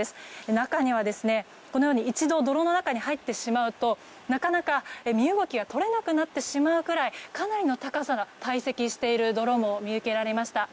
中には、一度泥の中に入ってしまうとなかなか身動きが取れなくなってしまうぐらいかなりの高さが堆積している泥も見受けられました。